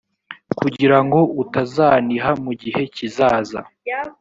kugira ngo utazaniha mu gihe kizaza